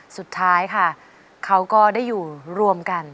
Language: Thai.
สุดท้ายค่ะเขาก็ได้อยู่รวมกัน